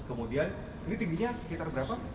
kemudian ini tingginya sekitar berapa